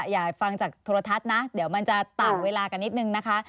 อยากฟังจากโทรทัศน์นะเดี๋ยวมันจะต่างเวลากันนิดนึงนะคะ